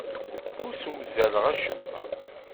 Ur ssewzaleɣ acemma.